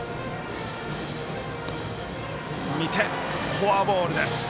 フォアボールです。